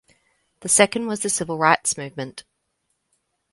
The second was the civil rights movement.